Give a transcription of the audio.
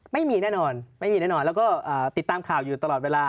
ไม่มีแน่นอนไม่มีแน่นอนแล้วก็ติดตามข่าวอยู่ตลอดเวลา